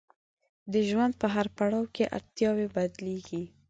د ژوند په هر پړاو کې اړتیاوې بدلیږي.